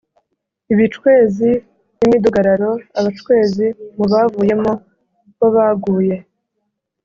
Ibicwezi ni midugararo abacwezi mu bavuyemo bo baguye